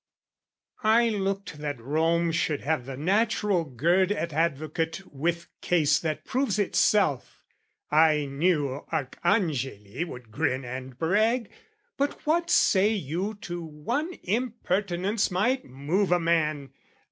"I looked that Rome should have the natural gird "At advocate with case that proves itself; "I knew Arcangeli would grin and brag: "But what say you to one impertinence "Might move a man?